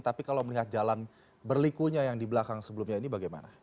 tapi kalau melihat jalan berlikunya yang di belakang sebelumnya ini bagaimana